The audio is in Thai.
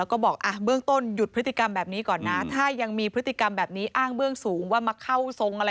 แล้วก็บอกอ่ะเบื้องต้นหยุดพฤติกรรมแบบนี้ก่อนนะ